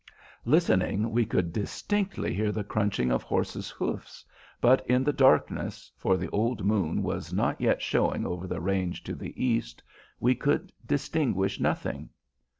Listening, we could distinctly hear the crunching of horses' hoofs, but in the darkness (for the old moon was not yet showing over the range to the east) we could distinguish nothing.